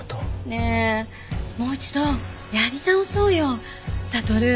ねえもう一度やり直そうよサトル。